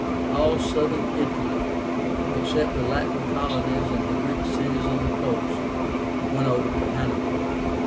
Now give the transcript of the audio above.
All Southern Italy, except the Latin colonies and the Greek cities on the coast, went over to Hannibal.